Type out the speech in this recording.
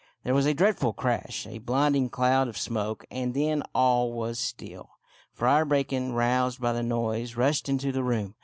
There was a dreadful crash, a blinding cloud of smoke, and then all was still. Friar Bacon, roused by the noise, rushed into the room.